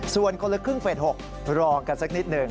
ส่วนคนละครึ่งเฟส๖รอกันสักนิดหนึ่ง